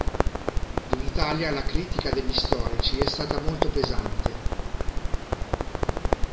In Italia la critica degli storici è stata molto pesante.